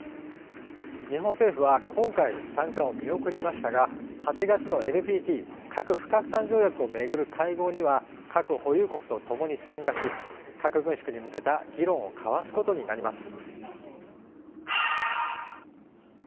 日本政府は今回の参加を見送りましたが８月のＮＰＴ・核不拡散条約を巡る会合には核保有国とともに参加し核軍縮に向けた議論を交わすことになります。